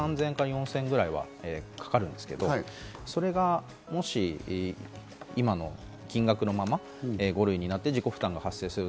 ３０００円か４０００円くらいはかかるんですけど、それがもし今の金額のまま、５類になって自己負担が発生する。